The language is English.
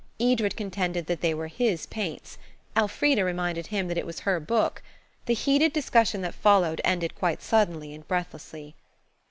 Edred contended that they were his paints. Elfrida reminded him that it was her book. The heated discussion that followed ended quite suddenly and breathlessly.